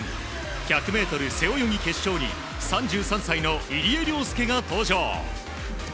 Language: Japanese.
１００ｍ背泳ぎ決勝に３３歳の入江陵介が登場。